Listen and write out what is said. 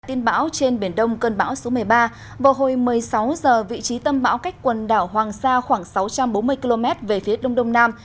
tiên bão trên biển đông cơn bão số một mươi ba vào hồi một mươi sáu h vị trí tâm bão cách quần đảo hoàng sa khoảng sáu trăm bốn mươi km về phía đông đông nam